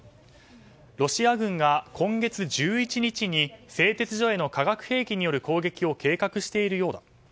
ロシア軍が今月１１日に製鉄所への化学兵器による攻撃を計画しているようだ。